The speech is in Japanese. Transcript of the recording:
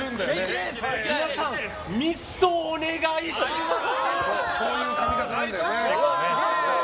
皆さん、ミストをお願いします。